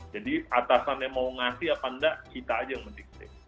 jadi atasannya mau diberi apa tidak kita saja yang mendiktik